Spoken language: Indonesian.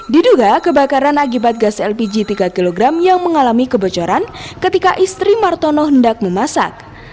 diduga kebakaran akibat gas lpg tiga kg yang mengalami kebocoran ketika istri martono hendak memasak